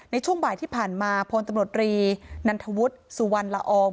ในช่วงบ่ายที่ผ่านมาพลตำรวจรีนันทวุฒิสุวรรณละออง